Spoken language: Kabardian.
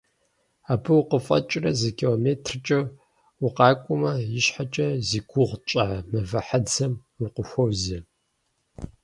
Абы укъыфӀэкӀрэ зы километркӀэ укъакӀуэмэ, ищхьэкӀэ зи гугъу тщӀа «Мывэ хьэдзэм» укъыхуозэ.